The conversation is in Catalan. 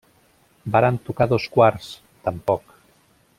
Varen tocar dos quarts… tampoc.